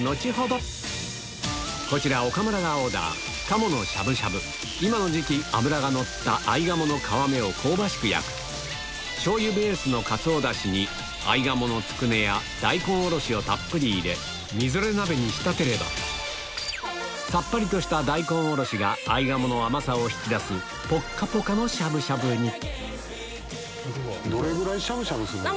こちら岡村がオーダー今の時期脂がのった合鴨の皮目を香ばしく焼く醤油ベースのかつおダシに合鴨のつくねや大根おろしをたっぷり入れみぞれ鍋に仕立てればさっぱりとした大根おろしが合鴨の甘さを引き出すポッカポカのしゃぶしゃぶにどれぐらいしゃぶしゃぶするんやろ？